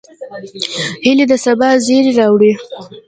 هیلۍ د سبا زیری راوړي